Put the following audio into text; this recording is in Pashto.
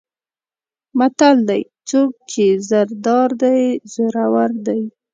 متل دی: څوک چې زر دار دی زورور دی.